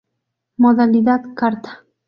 Modalidad: carta.